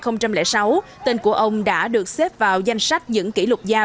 năm hai nghìn sáu tên của ông đã được xếp vào danh sách những kỷ lục gia